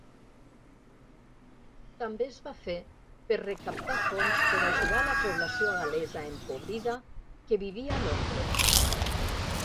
També es va fer per recaptar fons per ajudar la població gal·lesa empobrida que vivia a Londres.